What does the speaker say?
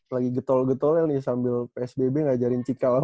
lagi getol getolel nih sambil psbb ngajarin cikalang